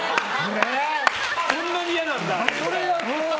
そんなに嫌なんだ。